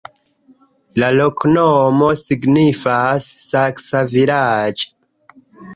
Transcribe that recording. La loknomo signifas: saksa-vilaĝ'.